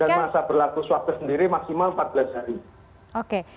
dan masa berlaku swab itu sendiri maksimal empat belas hari